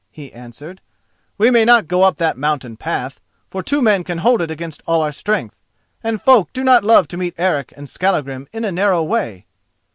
he answered. "We may not go up that mountain path, for two men can hold it against all our strength, and folk do not love to meet Eric and Skallagrim in a narrow way."